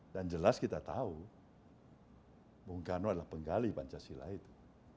dan jelas kita tahu bung karno adalah penggali pancasila itu